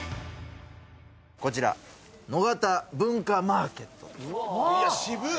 「こちら野方文化マーケット」渋っ。